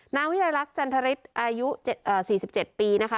นายวิรัยรักจันทริสอายุ๔๗ปีนะคะ